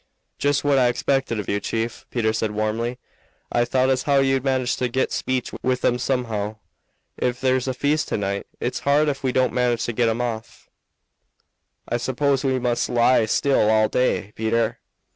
"Jest what I expected of you, chief," Peter said warmly. "I thought as how you'd manage to git speech with 'em somehow. If there's a feast to night, it's hard ef we don't manage to get 'em off." "I suppose we must lie still all day, Peter."